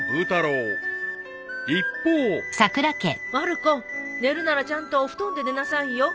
［一方］まる子寝るならちゃんとお布団で寝なさいよ。